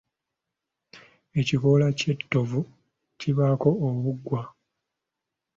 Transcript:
Ekikoola ky'ettovu kibaako obuggwa.